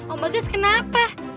om bagas kenapa